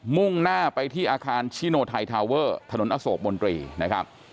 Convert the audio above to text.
มุ่งหน้าไปที่อาคารชิโนไทยทาเวอร์ถนนอโศกมนตรีนะครับ